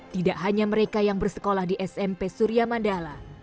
tidak hanya mereka yang bersekolah di smp surya mandala